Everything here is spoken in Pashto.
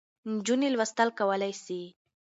نجونې لوستل کولای سي.